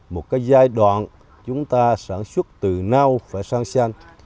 một cái giai đoạn chúng ta sản xuất từ nâu phải sang sanh